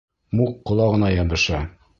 Мук ҡолағына йәбешә.